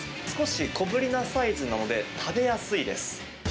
少し小ぶりなサイズなので、食べやすいです。